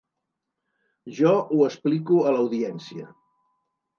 Jo ho explico a l’audiència.